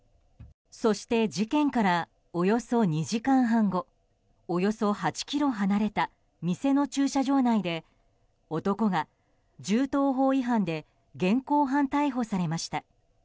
そして、事件からおよそ２時間半後およそ８ｋｍ離れた店の駐車場内で男が銃刀法違反で現行犯逮捕されました。